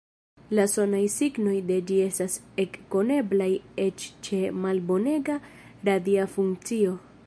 La sonaj signoj de ĝi estas ekkoneblaj eĉ ĉe malbonega radia funkcio.